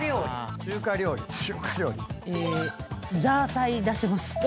えザーサイ出してます。